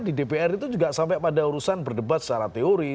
di dpr itu juga sampai pada urusan berdebat secara teori